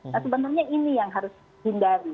nah sebenarnya ini yang harus dihindari